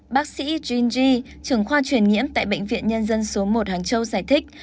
bác sĩ jin ji trưởng khoa truyền nhiễm tại bệnh viện nhân dân số một hàng châu giải thích